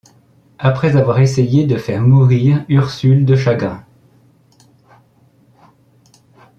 Après avoir essayé de faire mourir Ursule de chagrin